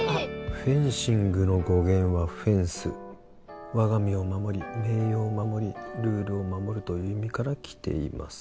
「フェンシングの語源はフェンス」「我が身を守り名誉を守り」「ルールを守るという意味からきています」